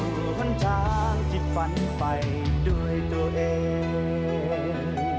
ทางที่ฝันไปด้วยตัวเอง